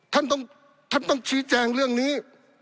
ท่านท่านต้องชี้แจงเรื่องนี้